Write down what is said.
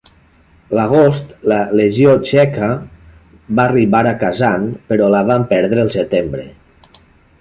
L'agost la Legió Txeca va arribar a Kazan però la van perdre el setembre.